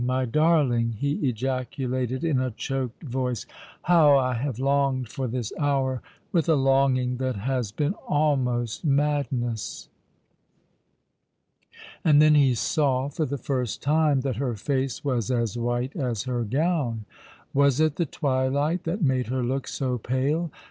my darling !" he ejaculated, in a choked voice, " how I have longed for this hour, with a longing that has been almost madness !" And then he saw for the first time that her face was as white as her gown. Was it the tv/ilight that made her look so pale